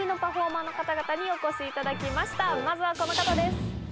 まずはこの方です。